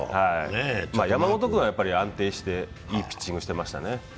山本君は安定していいピッチングをしてましたね。